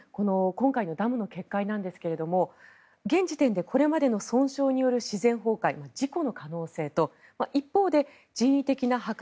今回のダムの決壊ですが現時点でこれまでの損傷による自然崩壊事故の可能性と一方で人為的な破壊